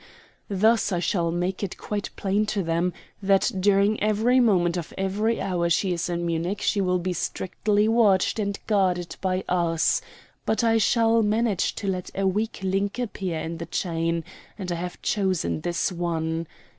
Thus I shall make it quite plain to them that during every moment of every hour she is in Munich she will be strictly watched and guarded by us; but I shall manage to let a weak link appear in the chain, and I have chosen this one.